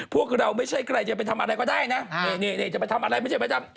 พวกเราไม่ใช่ใครจะไปทำอะไรก็ได้นะนี่จะไปทำอะไรไม่ใช่ไปทำ